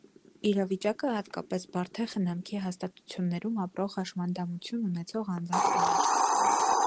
Իրավիճակը հատկապես բարդ է խնամքի հաստատություններում ապրող հաշմանդամություն ունեցող անձանց համար։